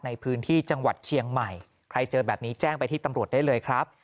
ในพื้นที่จังหวัดเชียงใหม่ใครเจอแบบนี้แจ้งไปที่ตำรวจได้เลยครับ